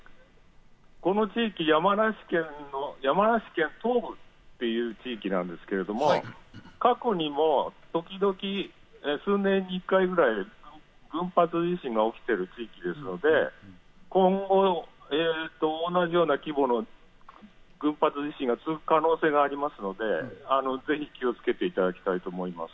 この地域、山梨県東部という地域なんですけれども、過去にも時々、数年に１回ぐらい群発地震が起きているので、今後同じような規模の群発地震が続く可能性がありますので、ぜひ気をつけていただきたいと思います。